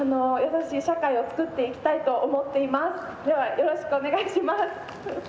よろしくお願いします。